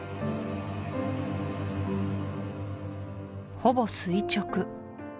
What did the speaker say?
ほぼ垂直